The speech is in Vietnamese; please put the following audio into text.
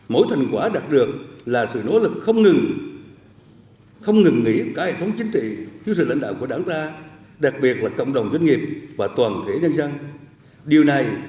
mỗi thành quả đạt được là sự nỗ lực không ngừng nghỉ cả hệ thống chính trị chứa sự lãnh đạo của đảng ta đặc biệt là cộng đồng doanh nghiệp và toàn thể nhân dân